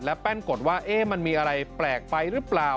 แป้นกดว่ามันมีอะไรแปลกไปหรือเปล่า